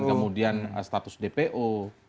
kemudian status dpo